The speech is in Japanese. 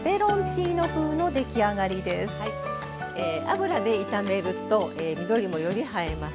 油で炒めると緑もより映えます。